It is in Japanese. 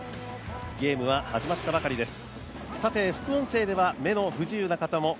ゲームは始まったばかりです。